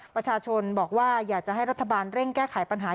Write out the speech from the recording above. ประชาชนบอกว่าอยากจะให้รัฐบาลเร่งแก้ไขปัญหา